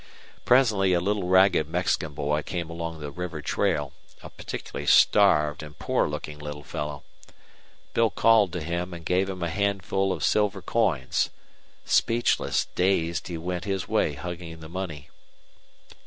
Presently a little ragged Mexican boy came along the river trail, a particularly starved and poor looking little fellow. Bill called to him and gave him a handful of silver coins. Speechless, dazed, he went his way hugging the money.